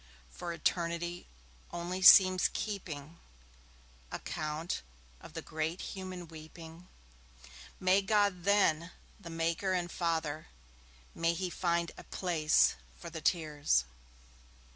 For Eternity only seems keeping Account of the great human weeping; May God then, the Maker and Father, May He find a place for the tears!